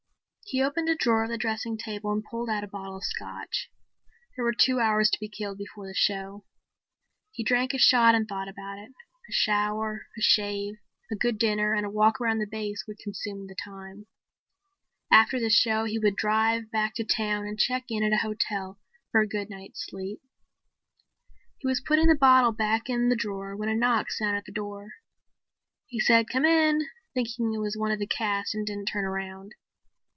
He opened a drawer of the dressing table and pulled out a bottle of Scotch. There were two hours to be killed before the show. He drank a shot and thought about it. A shower, a shave, a good dinner and a walk around the base would consume the time. After the show he would drive back to town and check in at a hotel for a good night's sleep. He was putting the bottle back in the drawer when a knock sounded on the door. He said "Come in," thinking it was one of the cast and didn't turn around.